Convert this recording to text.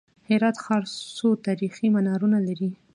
هرات ښار څو تاریخي منارونه لري؟